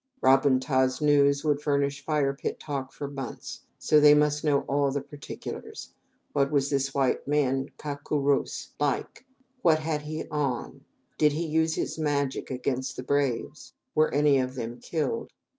Ra bun ta's news would furnish fire pit talk for months, so they must know all the particulars. What was this white cau co rouse, (captain or leader) like? What had he on? Did he use his magic against the braves? Were any of them killed?